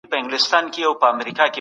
ولي منطقي فکر کول مهم دي؟